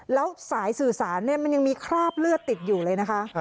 แล้วสายสื่อสารมันยังมีคราบเลือดติดอยู่เลยนะคะ